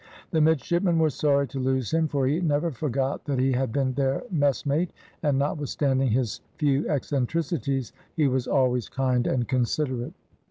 The midshipmen were sorry to lose him, for he never forgot that he had been their messmate, and, notwithstanding his few eccentricities, he was always kind and considerate.